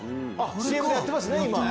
ＣＭでやってますね。